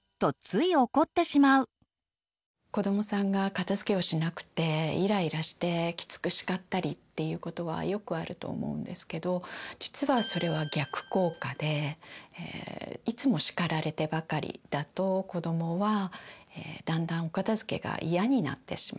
子どもさんが片づけをしなくてイライラしてきつく叱ったりっていうことはよくあると思うんですけど実はそれは逆効果でいつも叱られてばかりだと子どもはだんだんお片づけが嫌になってしまう。